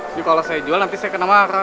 tapi kalau saya jual nanti saya kena marah